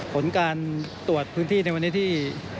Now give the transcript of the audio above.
ผลการตรวจพื้นที่ในวันนี้ที่